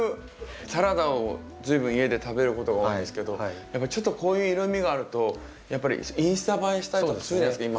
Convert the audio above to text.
サラダを随分家で食べることが多いんですけどやっぱりちょっとこういう色みがあるとやっぱりインスタ映えしたりとかするじゃないですか今。